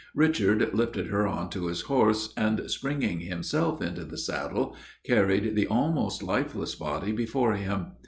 Richard lifted her on his horse, and springing himself into the saddle, carried the almost lifeless body before him.